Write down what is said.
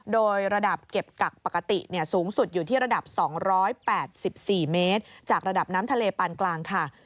โดยระดับเก็บกักปกติสูงสุดอยู่ที่ระดับ๒๘๔เมตรจากระดับน้ำทะเลปานกลางค่ะ